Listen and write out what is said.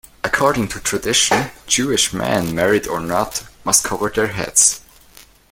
According to tradition, Jewish men, married or not, must cover their heads.